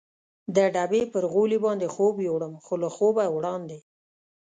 د ډبې پر غولي باندې خوب یووړم، خو له خوبه وړاندې.